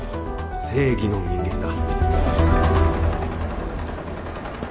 正義の人間だ